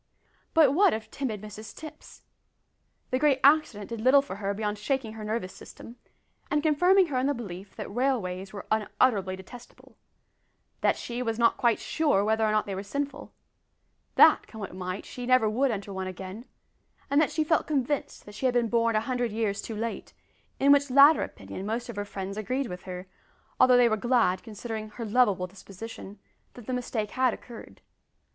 But what of timid Mrs Tipps? The great accident did little for her beyond shaking her nervous system, and confirming her in the belief that railways were unutterably detestable; that she was not quite sure whether or not they were sinful; that, come what might, she never would enter one again; and that she felt convinced she had been born a hundred years too late, in which latter opinion most of her friends agreed with her, although they were glad, considering her loveable disposition, that the mistake had occurred.